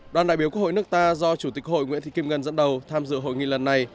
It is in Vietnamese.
đoàn đại biểu quốc hội nước ta do chủ tịch hội nguyễn thị kim ngân dẫn đầu tham dự hội nghị lần này